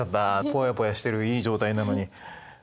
ポヤポヤしてるいい状態なのに。